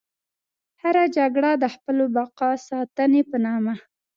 هره جګړه د خپلو بقا ساتنې په نامه.